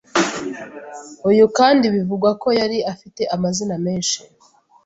Uyu kandi bivugwa ko yari afite amazina menshi